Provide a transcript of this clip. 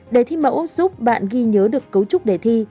đề thi mẫu giúp bạn ghi nhớ được cấu trúc đề thi